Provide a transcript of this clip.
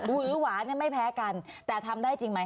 หือหวานไม่แพ้กันแต่ทำได้จริงไหม